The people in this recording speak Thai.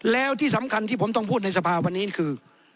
แล้วที่สำคัญที่ผมต้องพูดในสภาวันนี้คือ